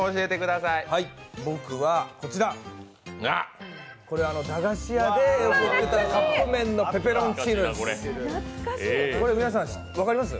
僕は、これは駄菓子屋で売ってたカップ麺のペペロンチーノです。